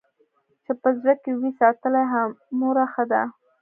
چې په زړه کې وي ساتلې هومره ښه ده.